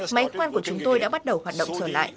máy khoan của chúng tôi đã bắt đầu hoạt động trở lại